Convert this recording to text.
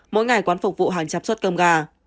mỗi ngày quán phục vụ hàng trăm suất cơm gà